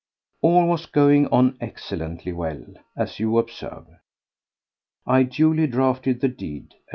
All was going on excellently well, as you observe. I duly drafted the deed, and M.